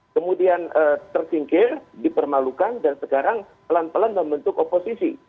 kemudian tersingkir dipermalukan dan sekarang pelan pelan membentuk oposisi